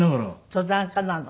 登山家なの？